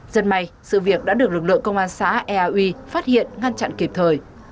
dần may sự việc đã được lực lượng công an xã eau phát hiện ngăn chặn kịp thời